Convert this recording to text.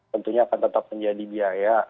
tentunya akan tetap menjadi biaya